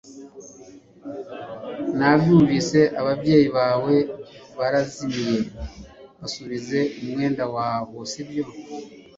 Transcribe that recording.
Nabyumvise Ababyeyi bawe barazimiye, babuze umwenda wabo sibyo?